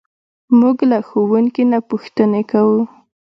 موږ له ښوونکي نه پوښتنې کوو.